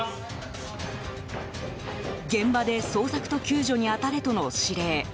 現場で捜索と救助に当たれとの指令。